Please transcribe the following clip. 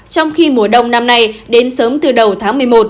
trong khi mùa đông năm nay đến sớm từ đầu tháng một mươi một